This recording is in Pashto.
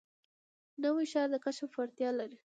نوی ښار د کشف وړتیا لري